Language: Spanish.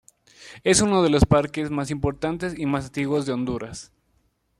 Es uno de los parques más importantes y más antiguos de Honduras.